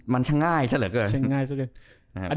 มันเฉยง่ายฉะนั้น